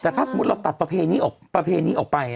แต่ถ้าสมมุติเราตัดประเพณีออกประเพณีออกไป